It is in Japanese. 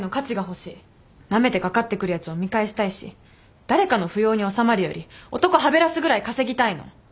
なめてかかってくるやつを見返したいし誰かの扶養におさまるより男はべらすぐらい稼ぎたいの。